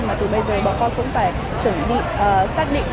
mà từ bây giờ bà con cũng phải chuẩn bị xác định